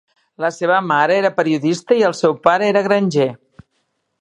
La seva mare era periodista i el seu pare era granger.